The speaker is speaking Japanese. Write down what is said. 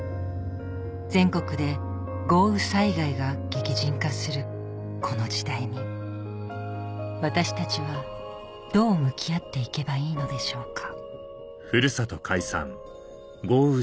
全国で豪雨災害が激甚化するこの時代に私たちはどう向き合って行けばいいのでしょうか？